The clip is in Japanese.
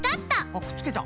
あっくっつけた。